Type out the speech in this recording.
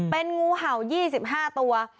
เป็นงูเห่า๒๕ตัว